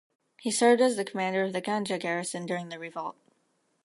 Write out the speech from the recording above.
He served as the commander of the Ganja garrison during the revolt.